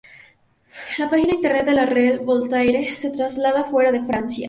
La página internet de la Red Voltaire se traslada fuera de Francia.